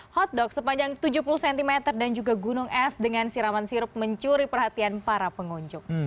hotdog sepanjang tujuh puluh cm dan juga gunung es dengan siraman sirup mencuri perhatian para pengunjung